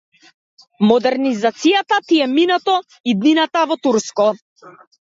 Модернизацијата ти е минато, иднината во турско.